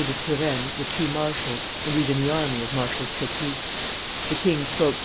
de Turenne the two marshals and even the army of Marshal Crequi. The king spoke to M.